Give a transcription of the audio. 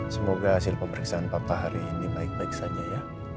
semoga hasil pemeriksaan papa hari ini baik baik saja ya